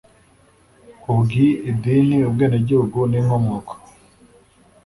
ubwi idini ubwenegihugu n inkomoko